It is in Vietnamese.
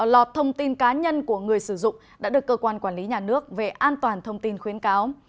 lọt thông tin cá nhân của người sử dụng đã được cơ quan quản lý nhà nước về an toàn thông tin khuyến cáo